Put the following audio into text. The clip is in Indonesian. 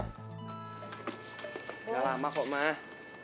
gak lama kok mah